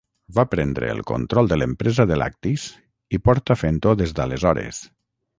Va prendre el control de l'empresa de lactis, i porta fent-ho des d'aleshores.